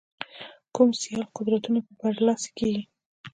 کوم سیال قدرتونه به برلاسي کېږي.